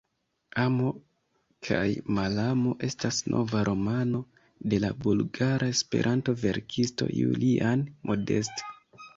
Amo kaj malamo estas nova romano de la bulgara Esperanto-verkisto Julian Modest.